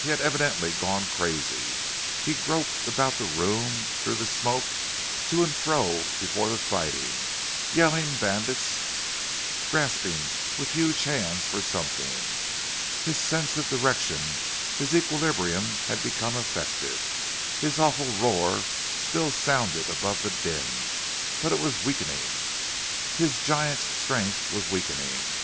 He had evidently gone crazy. He groped about the room, through the smoke, to and fro before the fighting, yelling bandits, grasping with huge hands for something. His sense of direction, his equilibrium, had become affected. His awful roar still sounded above the din, but it was weakening. His giant's strength was weakening.